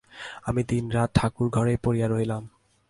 আমি দিনরাত ঠাকুর-ঘরেই পড়িয়া রহিলাম।